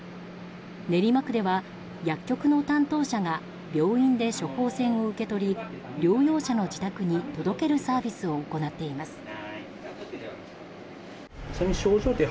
練馬区では、薬局の担当者が病院で処方箋を受け取り療養者の自宅に届けるサービスを行っています。